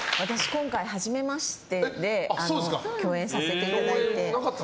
今回、はじめましてで共演させていただいて。